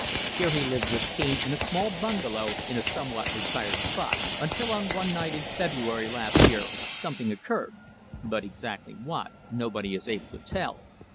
Here he lived with Cane in a small bungalow in a somewhat retired spot, until on one night in February last year something occurred but exactly what, nobody is able to tell.